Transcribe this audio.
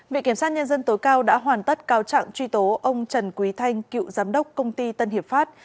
viện kiểm sát nhân dân tối cao đã hoàn tất cáo trạng truy tố ông trần quý thanh cựu giám đốc công ty tân hiệp pháp